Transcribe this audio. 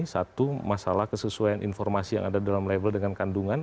satu masalah kesesuaian informasi yang ada dalam label dengan kandungan